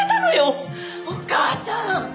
お母さん！